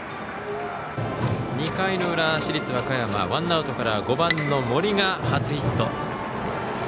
２回の裏、市立和歌山ワンアウトから５番の森が初ヒット。